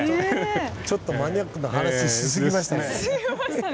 ちょっとマニアックな話しすぎましたね。